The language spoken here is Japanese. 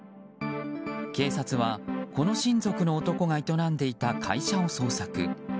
警察は、この親族の男が営んでいた会社を捜索。